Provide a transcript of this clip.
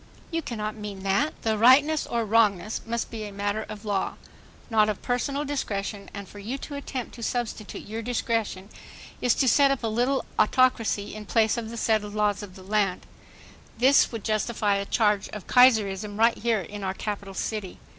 You cannot mean that. The rightness or wrongness must be a matter of law, not of personal discretion, and for you to attempt to substitute your discretion is to set up a little autocracy m place of the settled laws of the land. This would justify a charge of "Kaiserism" right here in our capital city.